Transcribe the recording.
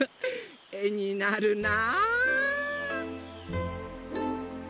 えになるな。